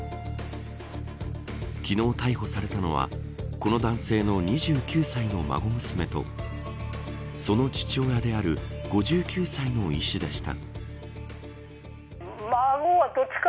昨日逮捕されたのはこの男性の２９歳の孫娘とその父親である５９歳の医師でした。